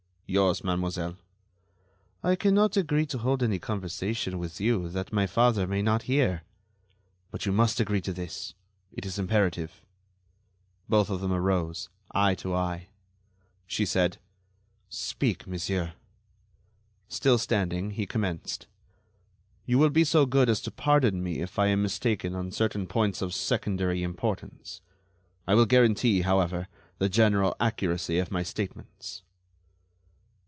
"Yours, mademoiselle." "I cannot agree to hold any conversation with you that my father may not hear." "But you must agree to this. It is imperative." Both of them arose, eye to eye. She said: "Speak, monsieur." Still standing, he commenced: "You will be so good as to pardon me if I am mistaken on certain points of secondary importance. I will guarantee, however, the general accuracy of my statements."